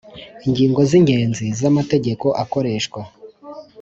ingingo z’ingenzi z’amategeko akoreshwa